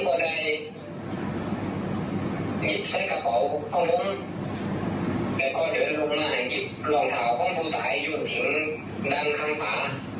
ก็ได้หยิบใส่กระเป๋าข้างบนแต่พอเดินลงมาหยิบรองเท้าของผู้ตายอยู่แถวนั้นนั่งข้างขวา